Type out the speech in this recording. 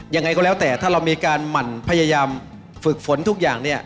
ยังไงก็แล้วแต่ถ้าเรามีการหมั่นพยายามฝึกฝนทุกอย่างเนี่ย